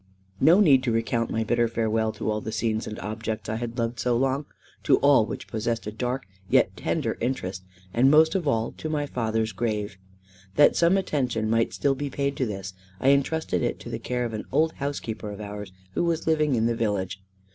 No need to recount my bitter farewell to all the scenes and objects I had loved so long, to all which possessed a dark yet tender interest, and most of all to my father's grave. That some attention might still be paid to this, I entrusted it to the care of an old housekeeper of ours, who was living in the village.